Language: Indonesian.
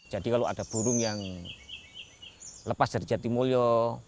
jadi kalau ada burung yang lepas dari jatimulyo